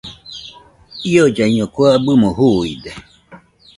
Iollaiño kue abɨmo juuide.